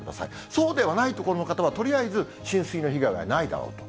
そうではない所の方は、とりあえず、浸水の被害はないだろうと。